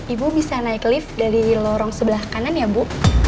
ibu bisa naik lift dari lorong sebelah kanan ya bu